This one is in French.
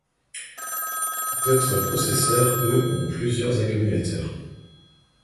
D'autre processeur eux ont plusieurs accumulateurs.